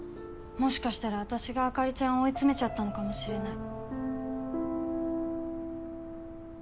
もしかしたら私が朱梨ちゃんを追い詰めちゃったのかもしれない。